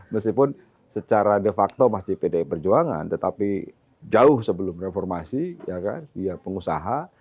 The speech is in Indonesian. meskipun secara de facto masih pede perjuangan tetapi jauh sebelum reformasi ya kan dia pengusaha